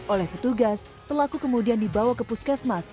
oleh petugas pelaku kemudian dibawa ke puskesmas